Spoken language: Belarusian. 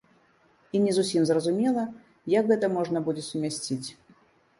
І не зусім зразумела, як гэта можна будзе сумясціць.